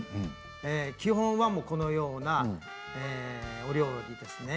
基本はこのようなお料理ですね。